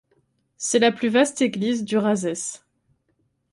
C'est la plus vaste église du Razès.